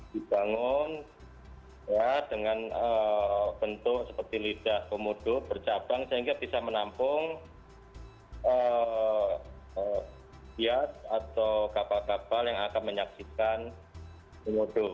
dibangun dengan bentuk seperti lidah komodo bercabang sehingga bisa menampung kiat atau kapal kapal yang akan menyaksikan komodo